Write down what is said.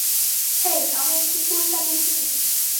হেই, আমি ওই কুকুরটাকে চিনি।